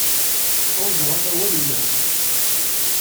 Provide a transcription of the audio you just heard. Ḥwajeɣ amawal yelhan.